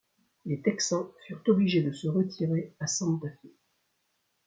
Les Texans furent obligés de se retirer à Santa Fe.